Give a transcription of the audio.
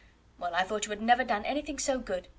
"Well, I thought you had never done anything so good.